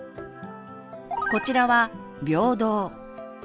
こちらは「平等」